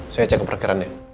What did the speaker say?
saya cek ke perkembangannya